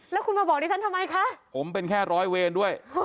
แล้วคุณมาบอกดิฉันทำไมคะผมเป็นแค่ร้อยเวรด้วย